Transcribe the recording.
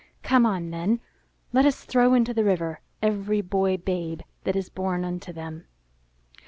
Come on then; let us throw into the river every boy babe that is born unto them."